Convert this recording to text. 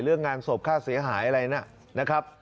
เรื่องงานศพค่าเสียหายอะไรนะครับ